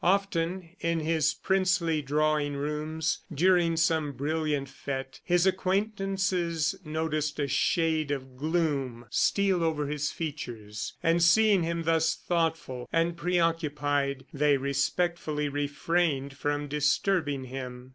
Often, in his princely drawing rooms, during some brilliant fete, his acquaintances noticed a shade of gloom steal over his features, and seeing him thus thoughtful and preoccupied, they respectfully refrained from disturbing him.